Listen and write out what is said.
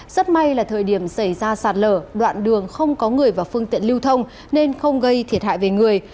rất may là thời điểm xảy ra sạt lở đoạn đường không có người và phương tiện lưu thông nên không gây thiệt hại về người